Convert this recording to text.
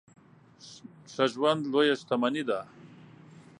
ښه ژوند لويه شتمني ده.